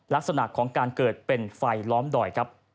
ลักษณะของการเกิดเป็นไฟล้อมดอยครับ